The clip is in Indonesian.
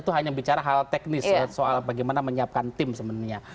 itu hanya bicara hal teknis soal bagaimana menyiapkan tim sebenarnya